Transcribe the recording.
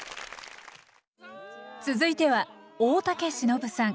続いては大竹しのぶさん。